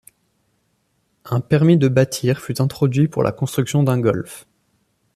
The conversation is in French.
Un permis de bâtir fut introduit pour la construction d’un golf.